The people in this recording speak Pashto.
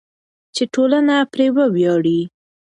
چې ټولنه پرې وویاړي.